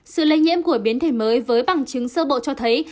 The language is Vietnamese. sự lây nhiễm của biến thể mới với bằng chứng sơ bộ cho thấy